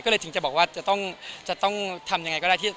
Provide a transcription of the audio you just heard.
ก็เลยถึงจะบอกว่าจะต้องทำยังไงก็ได้